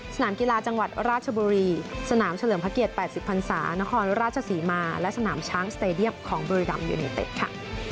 สนามกีฬาจังหวัดราชบุรีสนามเฉลิมพระเกียรติ๘๐พันศานครราชศรีมาและสนามช้างสเตดียมของบุรีรัมยูเนเต็ดค่ะ